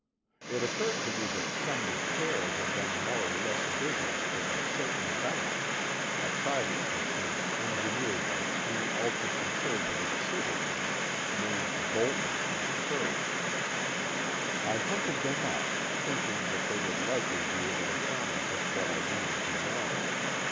It occurred to me that Sumner pere had done more or less business with a certain bank, a private concern engineered by two ultra conservative citizens named Bolton and Kerr. I hunted them up, thinking that they would likely be able to tell me just what I needed to know.